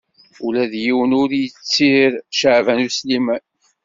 Ula d yiwen ur yettir Caɛban U Sliman.